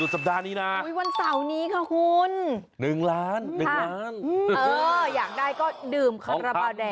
ใช่วันเสาร์นี้ค่ะคุณหนึ่งล้านหนึ่งล้านค่ะเอออยากได้ก็ดื่มขนาดแบบแดง